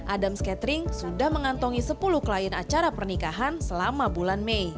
adams catering sudah mengantongi sepuluh klien acara pernikahan selama bulan mei